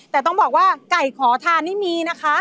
แต่ต้องบอกว่าไก่ขอทานนี่มีนะคะ